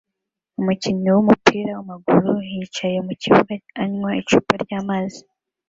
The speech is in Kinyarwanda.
Umukinnyi wumupira wamaguru yicaye mukibuga anywa icupa ryamazi